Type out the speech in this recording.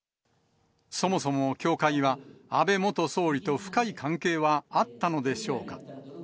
そもそも教会は、安倍元総理と深い関係はあったのでしょうか。